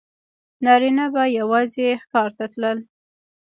نارینه به یوازې ښکار ته تلل.